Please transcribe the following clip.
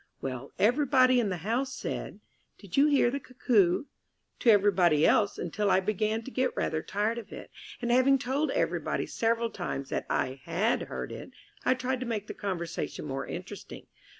Well, everybody in the house said, "Did you hear the Cuckoo?" to everybody else, until I began to get rather tired of it; and, having told everybody several times that I had heard it, I tried to make the conversation more interesting.